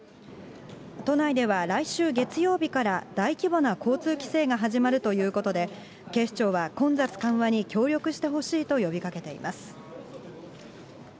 都内では、来週月曜日から大規模な交通規制が始まるということで、警視庁は、混雑緩和に協力してほしいと呼びかけています。